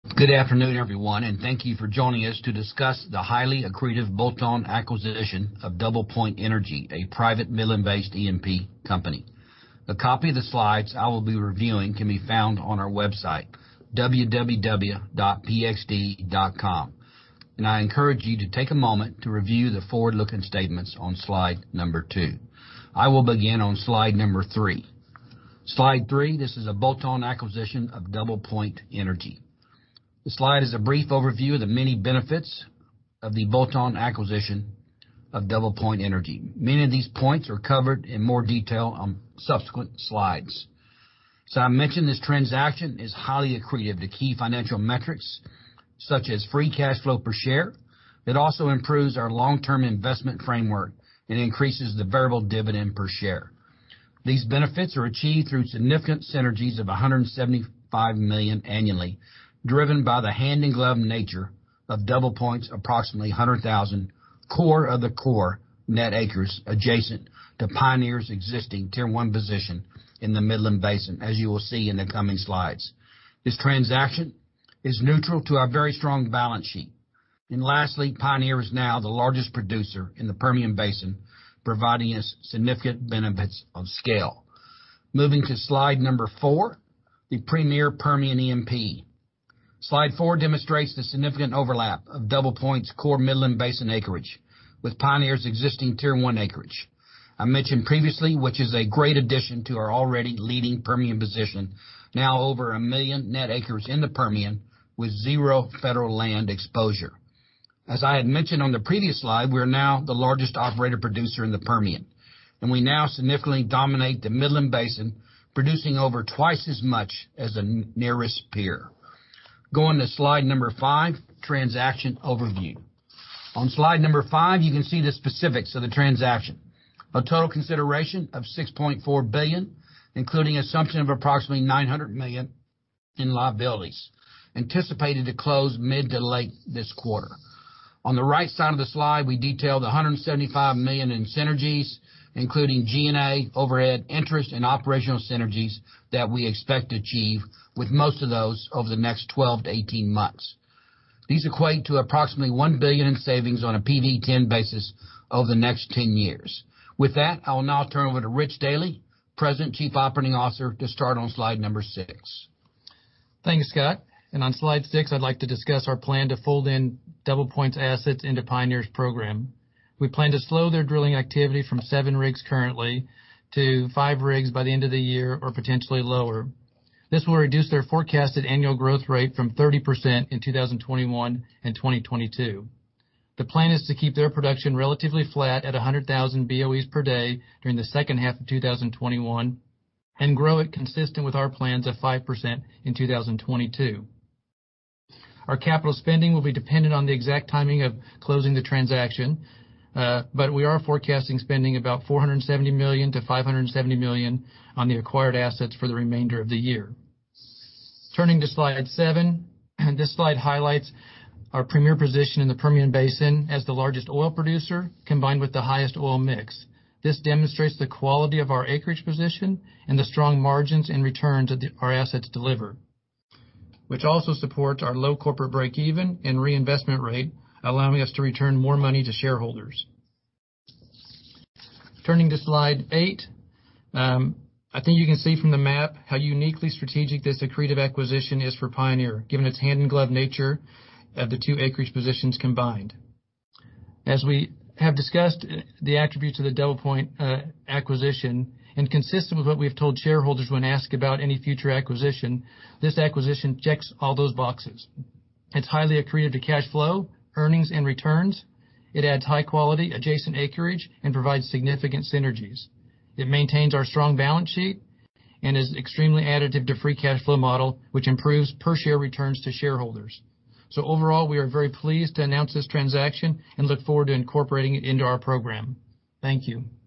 Good afternoon, everyone, and thank you for joining us to discuss the highly accretive bolt-on acquisition of DoublePoint Energy, a private Midland-based E&P company. A copy of the slides I will be reviewing can be found on our website, www.pxd.com. I encourage you to take a moment to review the forward-looking statements on slide number two. I will begin on slide number three. Slide three, this is a bolt-on acquisition of DoublePoint Energy. The slide is a brief overview of the many benefits of the bolt-on acquisition of DoublePoint Energy. Many of these points are covered in more detail on subsequent slides. I mentioned this transaction is highly accretive to key financial metrics such as free cash flow per share. It also improves our long-term investment framework and increases the variable dividend per share. These benefits are achieved through significant synergies of $175 million annually, driven by the hand-in-glove nature of DoublePoint's approximately 100,000 core of the core net acres adjacent to Pioneer's existing Tier 1 position in the Midland Basin, as you will see in the coming slides. This transaction is neutral to our very strong balance sheet. Lastly, Pioneer is now the largest producer in the Permian Basin, providing us significant benefits of scale. Moving to slide number four, the premier Permian E&P. Slide four demonstrates the significant overlap of DoublePoint's core Midland Basin acreage with Pioneer's existing Tier 1 acreage. I mentioned previously, which is a great addition to our already leading Permian position, now over 1 million net acres in the Permian with zero federal land exposure. As I had mentioned on the previous slide, we are now the largest operator producer in the Permian, and we now significantly dominate the Midland Basin, producing over twice as much as the nearest peer. Going to slide number five, transaction overview. On slide number five, you can see the specifics of the transaction. A total consideration of $6.4 billion, including assumption of approximately $900 million in liabilities, anticipated to close mid to late this quarter. On the right side of the slide, we detailed the $175 million in synergies, including G&A, overhead, interest, and operational synergies that we expect to achieve with most of those over the next 12 to 18 months. These equate to approximately $1 billion in savings on a PV-10 basis over the next 10 years. With that, I will now turn over to Rich Dealy, President, Chief Operating Officer, to start on slide number six. Thanks, Scott. On slide six, I'd like to discuss our plan to fold in DoublePoint's assets into Pioneer's program. We plan to slow their drilling activity from seven rigs currently to five rigs by the end of the year or potentially lower. This will reduce their forecasted annual growth rate from 30% in 2021 and 2022. The plan is to keep their production relatively flat at 100,000 BOEs per day during the second half of 2021 and grow it consistent with our plans of 5% in 2022. Our capital spending will be dependent on the exact timing of closing the transaction, but we are forecasting spending about $470 million-$570 million on the acquired assets for the remainder of the year. Turning to slide seven, this slide highlights our premier position in the Permian Basin as the largest oil producer, combined with the highest oil mix. This demonstrates the quality of our acreage position and the strong margins and returns that our assets deliver, which also supports our low corporate break even and reinvestment rate, allowing us to return more money to shareholders. Turning to slide eight, I think you can see from the map how uniquely strategic this accretive acquisition is for Pioneer, given its hand-in-glove nature of the two acreage positions combined. As we have discussed the attributes of the DoublePoint acquisition, and consistent with what we've told shareholders when asked about any future acquisition, this acquisition checks all those boxes. It's highly accretive to cash flow, earnings, and returns. It adds high quality adjacent acreage and provides significant synergies. It maintains our strong balance sheet and is extremely additive to free cash flow model, which improves per share returns to shareholders. Overall, we are very pleased to announce this transaction and look forward to incorporating it into our program. Thank you.